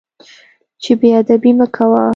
چې بې ادبي مه کوه.